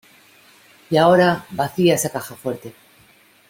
Y ahora, vacía esa caja fuerte.